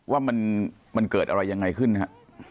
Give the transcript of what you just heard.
ว่ามันเกิดอะไรยังไงขึ้นฮะ